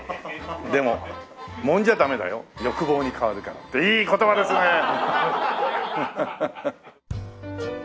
「でももんじゃダメだよ欲望に変わるから」っていい言葉ですね。